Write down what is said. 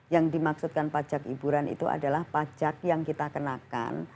yang dimaksudkan pajak hiburan itu adalah pajak yang kita kenakan